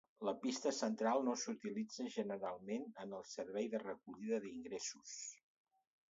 La pista central no s'utilitza generalment en el servei de recollida d'ingressos.